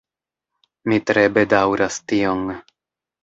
Mi tre bedaŭras tion.